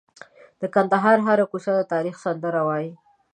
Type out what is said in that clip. د کندهار هره کوڅه د تاریخ سندره وایي.